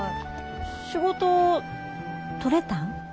仕事取れたん？